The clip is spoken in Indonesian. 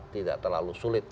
tidak terlalu sulit